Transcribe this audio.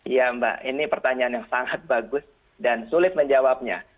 iya mbak ini pertanyaan yang sangat bagus dan sulit menjawabnya